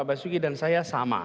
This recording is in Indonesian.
jadi pak basuki dan saya sama